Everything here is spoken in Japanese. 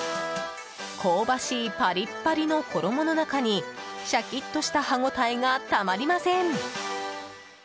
香ばしいパリッパリの衣の中にシャキッとした歯ごたえがたまりません。